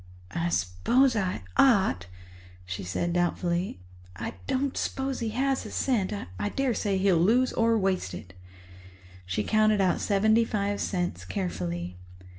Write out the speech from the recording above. "I s'pose I ought," she said doubtfully. "I don't s'pose he has a cent. I daresay he'll lose or waste it." She counted out seventy five cents carefully.